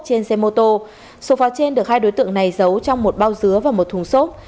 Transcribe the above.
trên xe mô tô số pháo trên được hai đối tượng này giấu trong một bao dứa và một thùng xốp